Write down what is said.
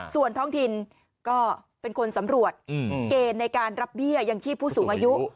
ส่วนท้องถิ่นก็เป็นคนสำรวจเกณฑ์ในการรับเบี้ยยังชีพผู้สูงอายุ